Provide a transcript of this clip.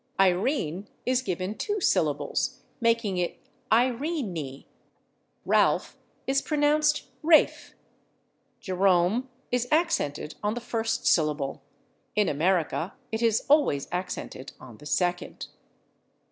/Irene/ is given two syllables, making it /Irene y/. /Ralph/ is pronounced /Rafe/. /Jerome/ is accented on the first syllable; in America it is always accented on the second.